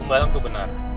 bumbalang itu benar